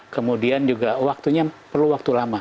kemudian juga waktunya perlu waktu lama